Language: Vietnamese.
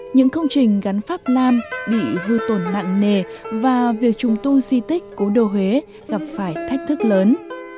những công trình gắn pháp nam bị hư tổn nặng nề và việc trùng tu di tích cố đô huế gặp phải thách thức lớn